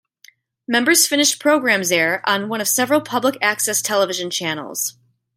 Members' finished programs air on one of several Public-access television channels.